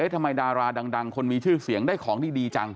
ทำไมดาราดังคนมีชื่อเสียงได้ของที่ดีจัง